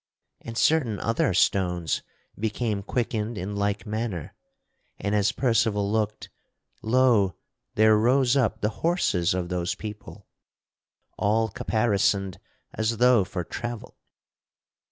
And certain other stones became quickened in like manner, and as Percival looked, lo! there rose up the horses of those people, all caparisoned as though for travel.